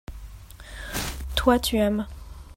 toi, tu aimes.